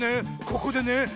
ここでね